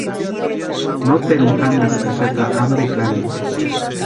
Noteruni janhaskaxaka ampe karani.